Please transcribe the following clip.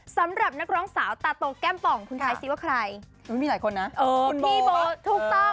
สำหรับนักร้องสาวตาโตแก้มป่องคุณไทยซิว่าใครมีหลายคนนะคุณพี่เบิร์ตถูกต้อง